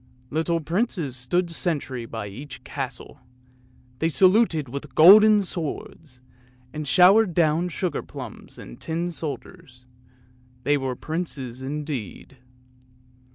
Little princes stood sentry by each castle; they saluted with golden swords, and showered down sugar plums and tin soldiers; they were princes indeed.